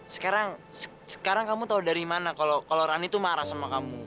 sekarang kamu tahu dari mana kalau rani tuh marah sama kamu